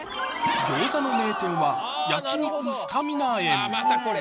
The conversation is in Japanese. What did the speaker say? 餃子の名店は焼肉スタミナ苑